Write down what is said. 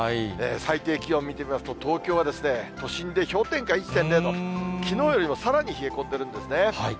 最低気温見てみますと、東京は都心で氷点下１．０度、きのうよりもさらに冷え込んでるんですね。